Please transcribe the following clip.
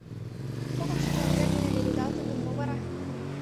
Кошкышо вондер дене леведалтын гын, мо вара?